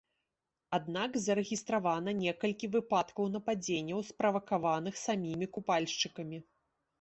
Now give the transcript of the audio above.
Аднак зарэгістравана некалькі выпадкаў нападзенняў, справакаваных самімі купальшчыкамі.